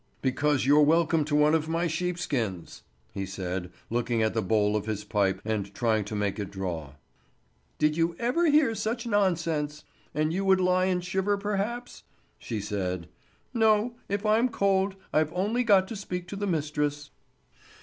"Because you're welcome to one of my sheepskins!" he said, looking at the bowl of his pipe and trying to make it draw. "Did you ever hear such nonsense! And you would lie and shiver perhaps?" she said. "No; if I'm cold, I've only got to speak to the mistress."